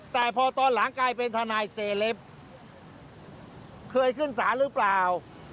แต่พอตอนหลังกลายเป็นทนายเซเลปเคยขึ้นศาลหรือเปล่า